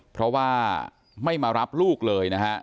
เพราะว่าไม่มารับลูกเลยนะฮะ